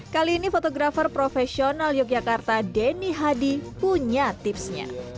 kali ini fotografer profesional yogyakarta denny hadi punya tipsnya